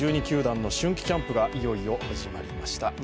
１２球団の春季キャンプがいよいよ始まりました。